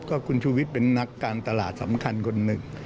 ก็คุณชูวิทย์เป็นนักการตลาดสำคัญคนหนึ่ง